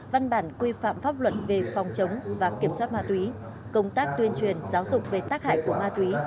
văn bản quy phạm pháp luật về phòng chống và kiểm soát ma túy công tác tuyên truyền giáo dục về tác hại của ma túy